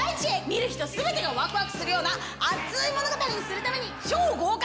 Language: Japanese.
見る人全てがワクワクするような熱い物語にするために。